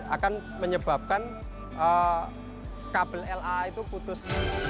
akan menyebabkan kabel la itu putus